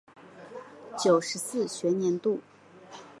九十四学年度